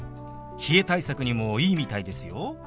冷え対策にもいいみたいですよ。